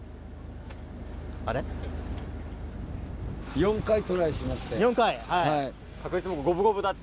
４回トライしまして。